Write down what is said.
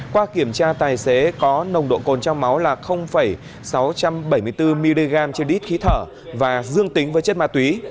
qua kiểm tra tài xế có nồng độ cồn trong máu là sáu trăm bảy mươi bốn mg trên lít khí thở và dương tính với chất ma túy